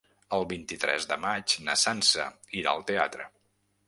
El vint-i-tres de maig na Sança irà al teatre.